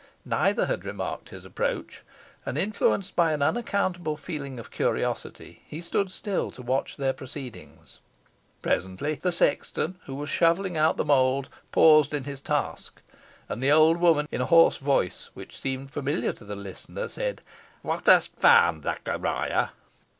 Neither had remarked his approach, and, influenced by an unaccountable feeling of curiosity, he stood still to watch their proceedings. Presently, the sexton, who was shovelling out the mould, paused in his task; and the old woman, in a hoarse voice, which seemed familiar to the listener, said, "What hast found, Zachariah?"